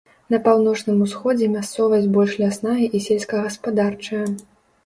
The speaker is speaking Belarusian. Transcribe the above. На паўночным усходзе мясцовасць больш лясная і сельскагаспадарчая.